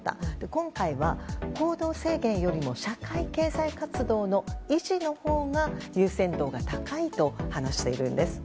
今回は行動制限よりも社会経済活動の維持のほうが優先度が高いと話しているんです。